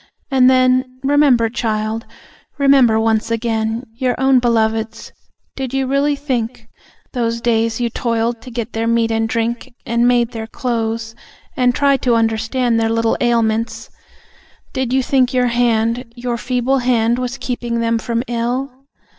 And then, Remember, child, remember once again Your own beloveds ... did you really think (Those days you toiled to get their meat and drink, And made their clothes, and tried to under stand Their little ailments) did you think your hand, Your feeble hand, was keeping them from ill?